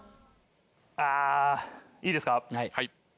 ああいいですか？